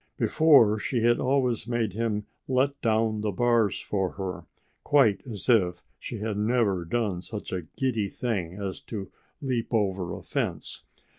Before, she had always made him let down the bars for her, quite as if she had never done such a giddy thing as to leap over a fence.